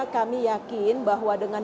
kami yakin bahwa dengan